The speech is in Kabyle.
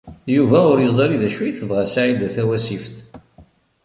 Yuba ur yeẓri d acu ay tebɣa Saɛida Tawasift.